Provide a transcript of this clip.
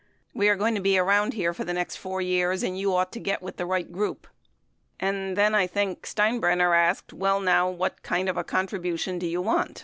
We are going to be around here for the next 4 years, and you ought to get with the. right group. And then I think Steinbrenner asked, well now, what kind of a contribution do you want?